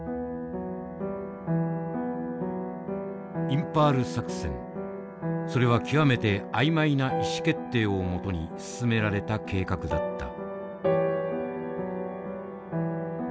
インパール作戦それは極めて曖昧な意思決定をもとに進められた計画だった。